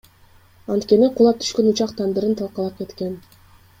Анткени кулап түшкөн учак тандырын талкалап кеткен.